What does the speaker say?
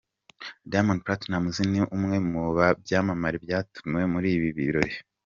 Diamond Platinumz ni umwe mu byamamare byatumiwe muri ibi birori.